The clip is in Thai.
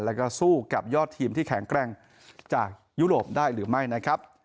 แล้วก็สู้กับยอดทีมที่แข็งแกร่งจากยุโรปได้หรือไม่นะครับ